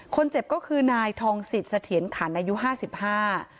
คนเจ็บก็คือนายทองสิทธิ์เสถียรขันอายุห้าสิบห้า